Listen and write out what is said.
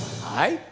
はい！